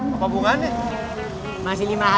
beep edo wes amplik hahaha